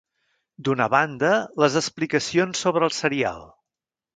D'una banda, les explicacions sobre el serial.